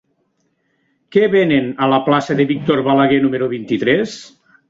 Què venen a la plaça de Víctor Balaguer número vint-i-tres?